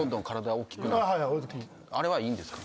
あれはいいんですか？